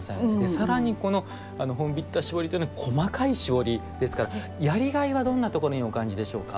さらにこの本疋田絞りというのは細かい絞りですからやりがいはどんなところにお感じでしょうか。